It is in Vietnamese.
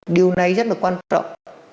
điều này rất là quan trọng